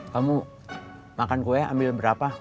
kamu makan kue ambil berapa